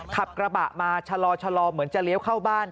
ขับกระบะมาชะลอเหมือนจะเลี้ยวเข้าบ้าน